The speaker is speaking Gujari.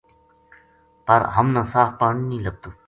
پر ہمنا صاف پانی نیہہ لبھتو